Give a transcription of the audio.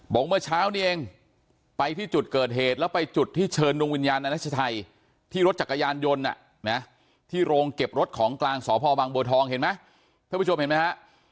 เมื่อเช้านี้เองไปที่จุดเกิดเหตุแล้วไปจุดที่เชิญดวงวิญญาณนายนัชชัยที่รถจักรยานยนต์ที่โรงเก็บรถของกลางสพบังบัวทองเห็นไหมท่านผู้ชมเห็นไหมฮะ